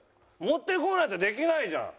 持ってこないとできないじゃん！